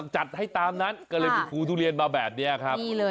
จัดให้ตามนั้นก็เลยมีภูทุเรียนมาแบบนี้ครับ